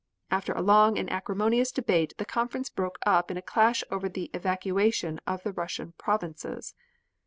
After a long and acrimonious debate the Conference broke up in a clash over the evacuation of the Russian provinces.